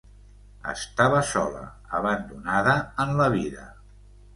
Estava sola, abandonada en la vida.